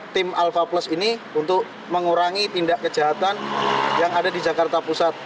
tim alfa plus ini untuk mengurangi tindak kejahatan yang ada di jakarta pusat